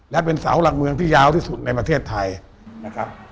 และเป็นเสาหลักเมืองที่ยาวที่สุดในประเทศไทยนะครับ